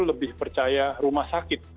lebih percaya rumah sakit